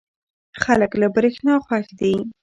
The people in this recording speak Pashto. خلک له برېښنا خوښ دي.